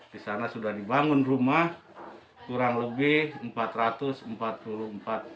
di sana sudah dibangun rumah kurang lebih empat ratus empat puluh empat jam